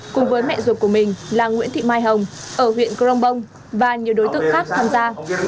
cùng với mẹ ruột của mình là nguyễn thị mai hồng ở huyện crong bông và nhiều đối tượng khác tham gia